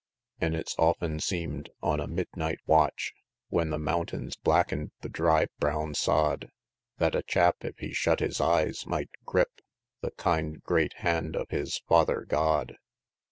VIII. An' it's often seemed, on a midnight watch, When the mountains blacken'd the dry, brown sod, That a chap, if he shut his eyes, might grip The great kind hand of his Father God.